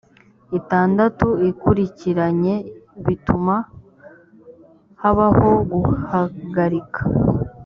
itandatu ikurikiranye bituma habaho guhagarika